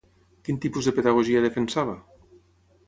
Quin tipus de pedagogia defensava?